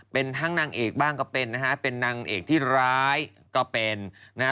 เป็นทั้งนางเอกบ้างก็เป็นนะฮะเป็นนางเอกที่ร้ายก็เป็นนะฮะ